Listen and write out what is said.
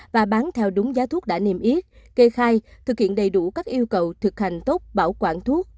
và bán theo đúng giá thuốc đã niêm yết kê khai thực hiện đầy đủ các yêu cầu thực hành tốt bảo quản thuốc